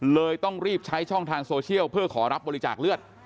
เลยต้องรีบใช้ช่องทางโซเชียลเพื่อขอรับบริจาคเลือด